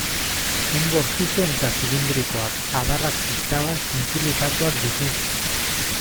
Enbor zuzen eta zilindrikoak, adarrak pixka bat zintzilikatuak ditu.